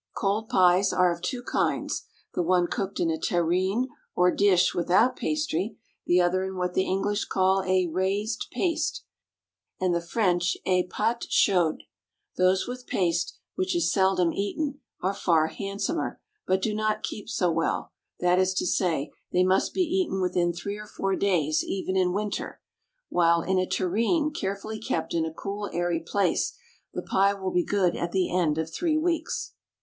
Cold pies are of two kinds: the one cooked in a terrine or dish without pastry; the other in what the English call a "raised paste," and the French a pâte chaude. Those with paste which is seldom eaten are far handsomer, but do not keep so well that is to say, they must be eaten within three or four days even in winter; while in a terrine carefully kept in a cool airy place the pie will be good at the end of three weeks.